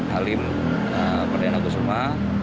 halim perdana kusuma